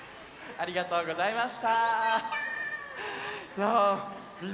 ありがとうございます。